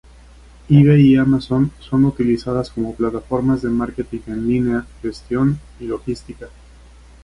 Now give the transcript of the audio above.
Ebay y Amazon son utilizadas como plataformas de marketing en línea, gestión y logística.